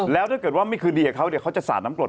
แล้วถ้าเกิดว่าไม่คืนดีกับเขาเดี๋ยวเขาจะสาดน้ำกรด